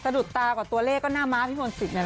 สะดุดตากว่าตัวเลขก็หน้าม้าพี่มนต์สินะฮะ